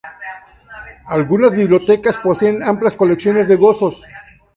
Algunas bibliotecas poseen amplias colecciones de gozos.